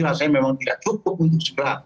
rasanya memang tidak cukup untuk segera